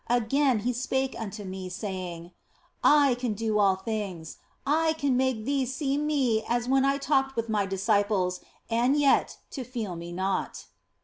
Again He spake unto me, saying, " I can do all things, I can make thee to see Me as when I talked with My disciples and yet to feel Me not."